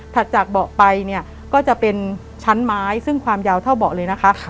จากเบาะไปเนี่ยก็จะเป็นชั้นไม้ซึ่งความยาวเท่าเบาะเลยนะคะ